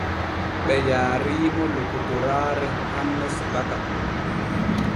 Ɓe yaariimo lokotoraare hanne subaka.